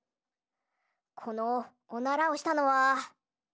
このおならをしたのは。